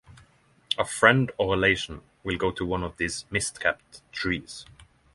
A friend or relation will go to one of these mist-capped trees.